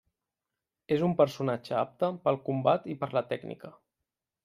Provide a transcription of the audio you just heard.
És un personatge apte pel combat i per la tècnica.